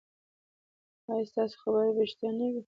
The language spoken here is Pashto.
ایا ستاسو خبر به ریښتیا نه وي؟